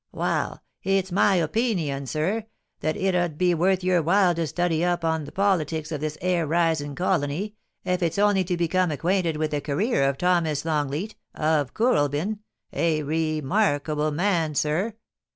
' Wal ! it's my opeenion, sir, that it 'ud be worth your while to study up the politics of this 'ere rising colony, ef it's only to become acquainted with the career of Thomas Longleat, of Kooralbyn — z. remarkable man, sir.